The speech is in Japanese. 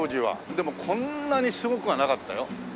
でもこんなにすごくはなかったよ。